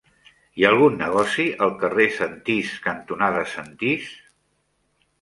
Hi ha algun negoci al carrer Sentís cantonada Sentís?